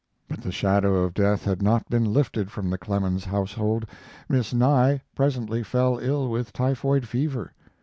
But the shadow of death had not been lifted from the Clemens household. Miss Nye presently fell ill with typhoid fever.